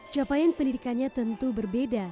capaian pendidikannya tentu berbeda